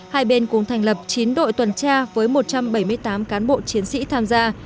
hai bên cũng thành lập chín đội tuần tra với một trăm bảy mươi tám cán bộ chiến sĩ tham gia